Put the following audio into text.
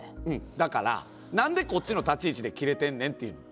だから、何でこっちの立ち位置で切れてんねんって。